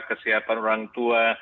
kesiapan orang tua